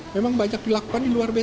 memang banyak dilakukan di luar biasa